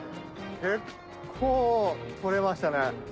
結構取れましたね。